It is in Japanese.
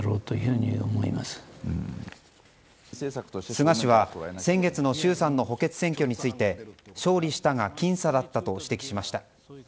菅氏は先月の衆参の補欠選挙について勝利したが僅差だったと指摘しました。